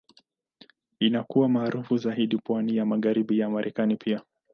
Inakuwa maarufu zaidi pwani ya Magharibi ya Marekani pia.